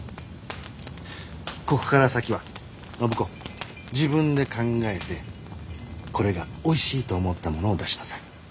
ここから先は暢子自分で考えてこれがおいしいと思ったものを出しなさい。